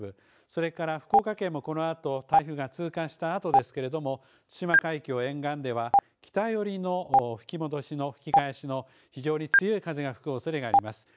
それから福岡県も、このあと台風が通過したあとですけれども、対馬海峡沿岸では北寄りの吹きかえしの非常に強い風が吹くおそれがあります。